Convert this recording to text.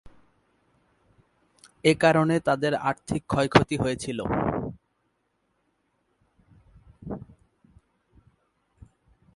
এ কারণে তাদের আর্থিক ক্ষয়ক্ষতি হয়েছিল।